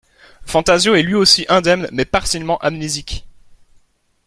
Fantasio est lui aussi indemne mais partiellement amnésique.